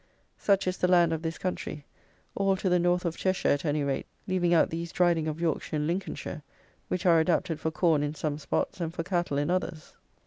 Such is the land of this country; all to the North of Cheshire, at any rate, leaving out the East Riding of Yorkshire and Lincolnshire, which are adapted for corn in some spots and for cattle in others.